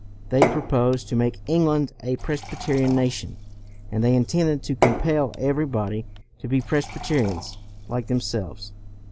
They proposed to make England a Presbyterian nation, and they intended to compel everybody to be Presbyterians like themselves.